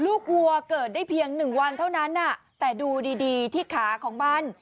ลูกวัวเกิดได้เพียง๑วันเท่านั้นแต่ดูดีที่ขาของบ้าน